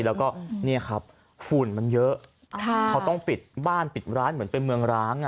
แล้วก็เนี่ยครับฝุ่นมันเยอะเขาต้องปิดบ้านปิดร้านเหมือนเป็นเมืองร้าง